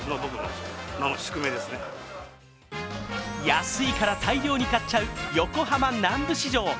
安いから大量に買っちゃう、横浜南部市場。